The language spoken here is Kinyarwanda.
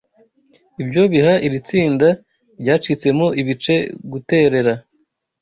Ibyo biha iri tsinda ryacitsemo ibice Guterera